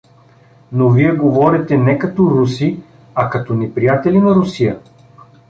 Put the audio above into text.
— Но вие говорите не като руси, а като неприятели на Русия!